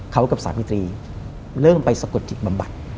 เขากับสามีตรีเริ่มไปสะกดจิตบำบัด